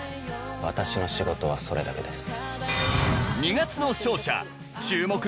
私の仕事はそれだけです。